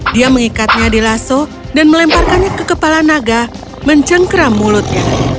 dia mengikatnya di laso dan melemparkannya ke kepala naga mencengkram mulutnya